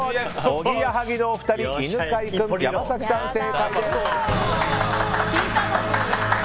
おぎやはぎのお二人、犬飼君山崎さん、正解です。